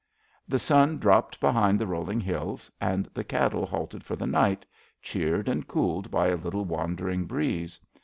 The sun dropped behind the rolling hills; and the cattle halted for the night, cheered and cooled by a little wandering breeze.